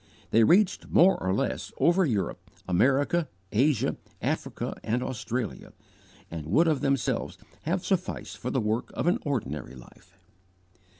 They reached, more or less, over Europe, America, Asia, Africa, and Australia; and would of themselves have sufficed for the work of an ordinary life.